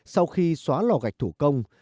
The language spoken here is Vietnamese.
sau khi xóa lò gạch thủ công